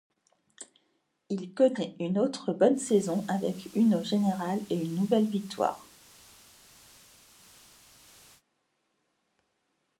Il connaît une autre bonne saison, avec une au général et une nouvelle victoire.